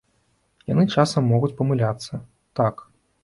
Яны часам могуць памыляцца, так.